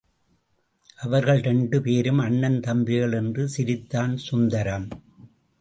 அவர்கள் இரண்டு பேரும் அண்ணன் தம்பிகள் என்று சிரித்தான் சுந்தரம்.